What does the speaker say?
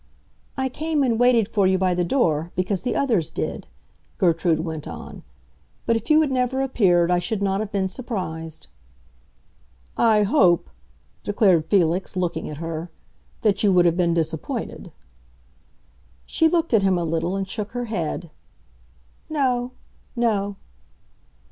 "I came and waited for you by the door, because the others did," Gertrude went on. "But if you had never appeared I should not have been surprised." "I hope," declared Felix, looking at her, "that you would have been disappointed." She looked at him a little, and shook her head. "No—no!"